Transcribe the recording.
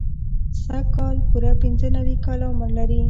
سږ کال پوره پنځه نوي کاله عمر لري.